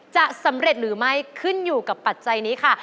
จะสำเร็จหรือไม่ขึ้นอยู่กับปัจจัยนี้ค่ะ